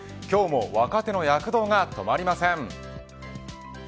今日も若手の躍動が止まりません。